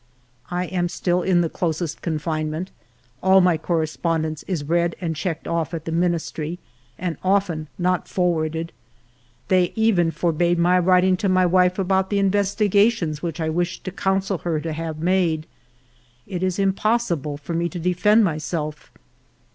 1 am still in the closest confinement. All my correspondence is read and checked off at the Ministry, and often not forwarded. They even forbade my writing to my wife about the investigations which I wished to counsel her to have made. It is impossible for me to defend myself.